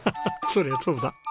そりゃそうだ。